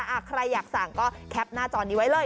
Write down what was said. ใครอยากสั่งก็แคปหน้าจอนี้ไว้เลย